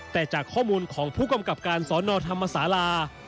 แต่จากข้อมูลของผู้กำกับการสอนอธรรมศาลา